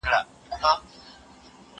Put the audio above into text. زه مېوې وچولي دي؟